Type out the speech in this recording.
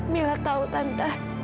mila tahu tante